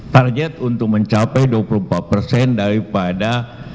target untuk mencapai dua puluh empat persen daripada